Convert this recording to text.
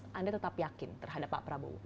apakah pak prabowo yakin terhadap pak prabowo